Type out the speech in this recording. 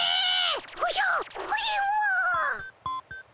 おじゃこれは！